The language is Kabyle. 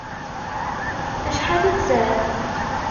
Acḥal i tesɛiḍ?